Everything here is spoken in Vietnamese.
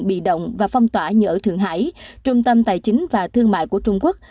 bị động và phong tỏa như ở thượng hải trung tâm tài chính và thương mại của trung quốc